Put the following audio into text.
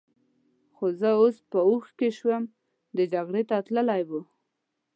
خو زه اوس په هوښ کې شوم، دی جګړې ته تلی و.